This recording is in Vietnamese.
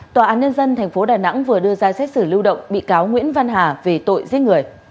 tòa án nhân dân tp đà nẵng vừa đưa ra xét xử lưu động bị cáo nguyễn văn hà về tội giết người